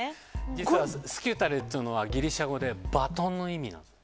実はスキュタレーというのはギリシャ語でバトンの意味なんです。